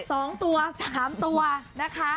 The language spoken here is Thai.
สองตัวสามตัวนะคะ